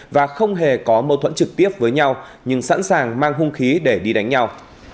và không hề có mâu thuẫn trực tiếp với nhau nhưng sẵn sàng mang hung khí để đi đánh nhau